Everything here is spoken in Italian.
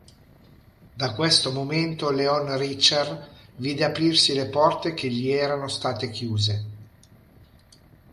Da questo momento Leon Richer vide aprirsi le porte che gli erano state chiuse.